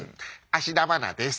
芦田愛菜です。